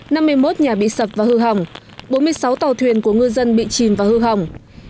năm mươi một nhà bị sập và hư hỏng bốn mươi sáu tàu thuyền của ngư dân bị chìm và hư hỏng